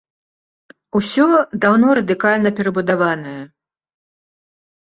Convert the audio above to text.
Усё даўно радыкальна перабудаваная.